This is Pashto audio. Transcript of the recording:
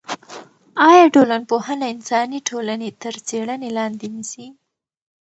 آیا ټولنپوهنه انساني ټولنې تر څېړنې لاندې نیسي؟